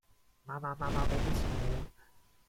Mama, Mama, wo bist du?